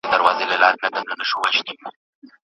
له قلمه مي زړه تور دی له کلامه ګیله من یم